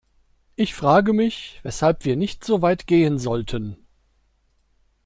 Ich frage mich, weshalb wir nicht so weit gehen sollten.